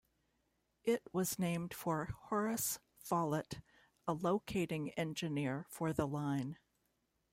It was named for Horace Follett, a locating engineer for the line.